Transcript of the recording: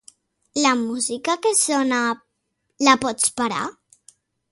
La música que sona, la pots parar?